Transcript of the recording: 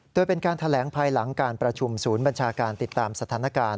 โดยเป็นการแถลงภายหลังการประชุมศูนย์บัญชาการติดตามสถานการณ์